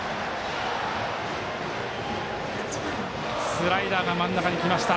スライダーが真ん中にきました。